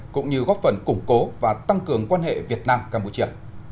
cũng như góp phần củng cố và tăng cường quan hệ việt nam campuchia